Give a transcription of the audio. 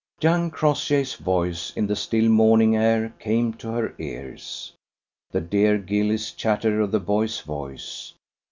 Young Crossjay's voice in the still morning air came to her cars. The dear guileless chatter of the boy's voice.